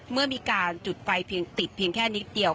เมื่อมีการจุดไฟเพียงติดเพียงแค่นิดเดียว